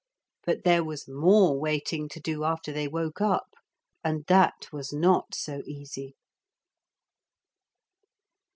But there was more waiting to do after they woke up, and that was not so easy.